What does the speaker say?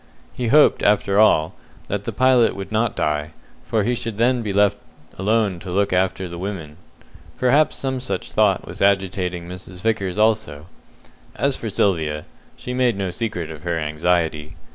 He hoped, after all, that the pilot would not die, for he should then be left alone to look after the women. Perhaps some such thought was agitating Mrs. Vickers also. As for Sylvia, she made no secret of her anxiety.